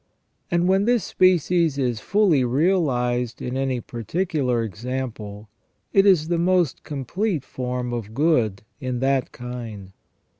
185 and when this species is fully realised in any particular example, it is the most complete form of good in that kind.